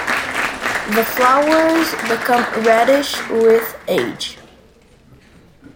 The flowers become reddish with age.